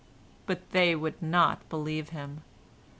But they would not believe him.